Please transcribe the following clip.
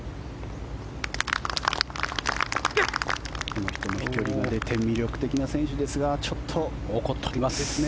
この人も飛距離が出て魅力的な選手ですが怒っております。